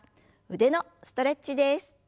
腕のストレッチです。